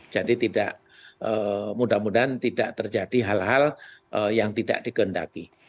jadi tidak mudah mudahan tidak terjadi hal hal yang tidak digendaki